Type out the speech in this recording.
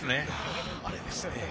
ああれですね。